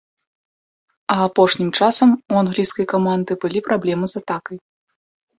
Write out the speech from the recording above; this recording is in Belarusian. А апошнім часам у англійскай каманды былі праблемы з атакай.